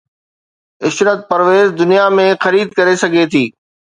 عشرت پرويز دنيا ۾ خريد ڪري سگهي ٿي